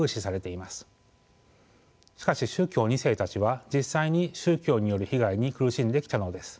しかし宗教２世たちは実際に宗教による被害に苦しんできたのです。